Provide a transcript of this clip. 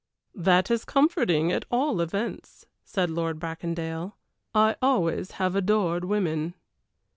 "That is comforting, at all events," said Lord Bracondale. "I always have adored women."